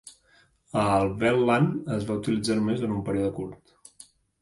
El Welland es va utilitzar només durant un període curt.